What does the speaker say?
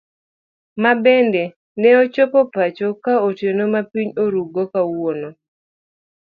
Mabende ne ochopo pacho ka otieno ma piny oruu go kawuono.